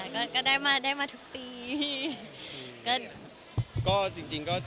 ค่ะก็ได้มาทุกปี